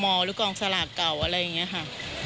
กฎธมอลหรือกองสลากเก่าอะไรอย่างเงี้ยค่ะ